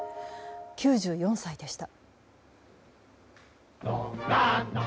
９４歳でした。